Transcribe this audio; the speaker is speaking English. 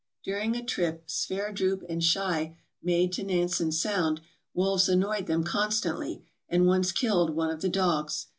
During a trip Sverdrup and Schei made to Nansen Sound, wolves annoyed them constantly, and once killed one of the dogs.